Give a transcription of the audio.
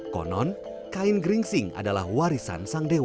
konon kain geringsing adalah warisan sang dewa